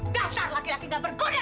dasar laki laki gak bergoda